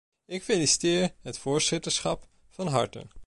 Ik feliciteer het voorzitterschap van harte.